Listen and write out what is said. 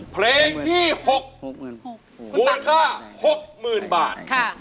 เพลงที่๖มูลค่า๖๐๐๐บาท